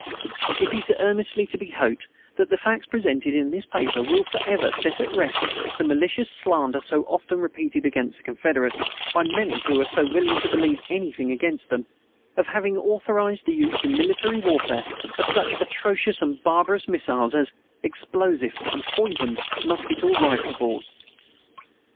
It is earnestly to be hoped that the facts presented in this paper will forever set at rest the malicious slander so often repeated against the Confederates, by many who are so willing to believe anything against them, of having authorized the use in military warfare of such atrocious and barbarous missiles as "explosive and poisoned" musket or rifle balls.